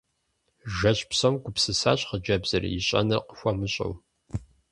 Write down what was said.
Жэщ псом гупсысащ хъыджэбзыр, ищӀэнур къыхуэмыщӀэу.